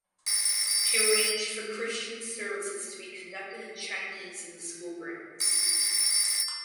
She arranged for Christian services to be conducted in Chinese in the school grounds.